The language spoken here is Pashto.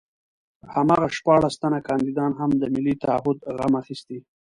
هماغه شپاړس تنه کاندیدان هم د ملي تعهُد غم اخیستي.